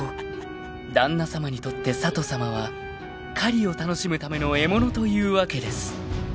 ［旦那さまにとって佐都さまは狩りを楽しむための獲物というわけです］